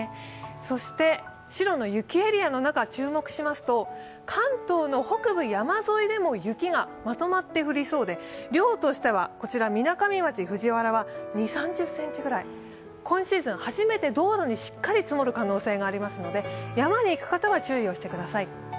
そして、白の雪エリアの中、注目しますと関東の北部、山沿いでも雪がまとまって降りそうで、量としてはみなかみ町藤原は２０３０ｃｍぐらい、今シーズン初めて山に行く方は注意をしてください。